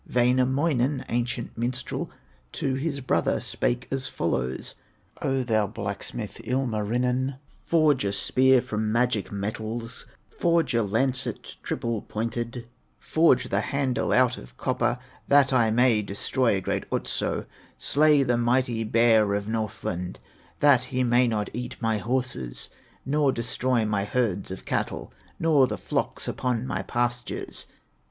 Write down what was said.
Wainamoinen, ancient minstrel, To his brother spake as follows: "O thou blacksmith, Ilmarinen, Forge a spear from magic metals, Forge a lancet triple pointed, Forge the handle out of copper, That I may destroy great Otso, Slay the mighty bear of Northland, That he may not eat my horses, Nor destroy my herds of cattle, Nor the flocks upon my pastures."